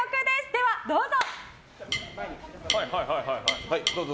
ではどうぞ。